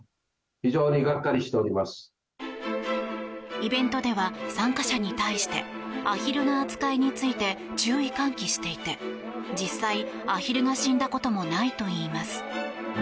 イベントでは参加者に対してアヒルの扱いについて注意喚起していて実際、アヒルが死んだこともないといいます。